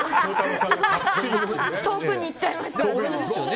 遠くにいっちゃいました。